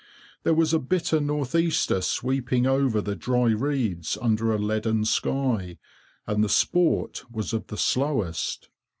There was a bitter north easter sweeping over the dry reeds under a leaden sky, and the sport was of the slowest.